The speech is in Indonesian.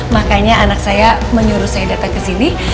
makanya anak saya menyuruh saya datang ke sini